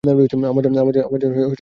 আমার জন্য কোনও স্কুপ আছে?